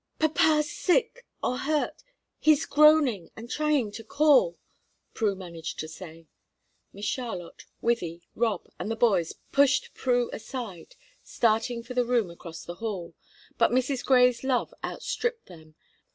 "Papa's sick or hurt; he's groaning and trying to call," Prue managed to say. Miss Charlotte, Wythie, Rob, and the boys pushed Prue aside, starting for the room across the hall, but Mrs. Grey's love outstripped them.